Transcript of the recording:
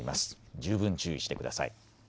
十分注意してください。